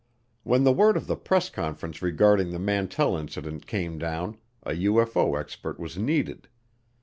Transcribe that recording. When the word of the press conference regarding the Mantell Incident came down, a UFO expert was needed.